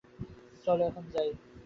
চলো এখন যাই।